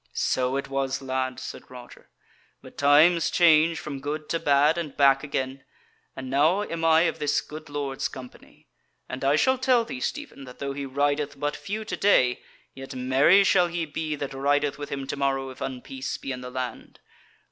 "So it was, lad," said Roger, "but times change from good to bad and back again; and now am I of this good lord's company; and I shall tell thee, Stephen, that though he rideth but few to day, yet merry shall he be that rideth with him to morrow if unpeace be in the land.